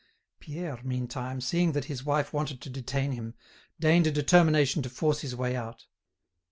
Pierre, meantime, seeing that his wife wanted to detain him, deigned a determination to force his way out.